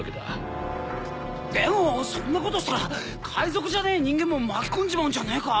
でもそんなことしたら海賊じゃねえ人間も巻き込んじまうんじゃねえか。